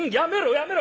やめろ！